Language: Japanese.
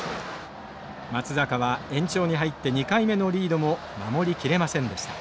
松坂は延長に入って２回目のリードも守りきれませんでした。